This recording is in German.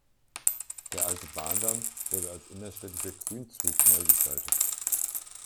Der alte Bahndamm wurde als innerstädtischer Grünzug neu gestaltet.